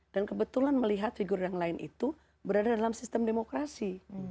dan kebetulan melihat figur yang lain itu berada dalam sistem demokrasi